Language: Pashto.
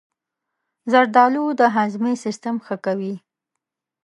زردآلو د هاضمې سیستم ښه کوي.